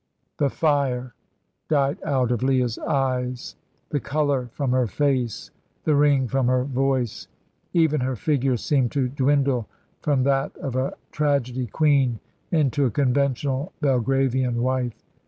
The fire died out of Leah's eyes, the colour from her face, the ring from her voice; even her figure seemed to dwindle from that of a tragedy queen into a conventional Belgravian wife.